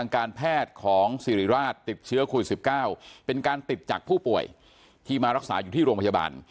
การแพทย์ของสิริราชติดเชื้อโควิด๑๙เป็นการติดจากผู้ป่วยที่มารักษาอยู่ที่โรงพยาบาล